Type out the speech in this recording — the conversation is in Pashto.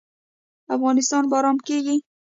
افغانستان به ارام کیږي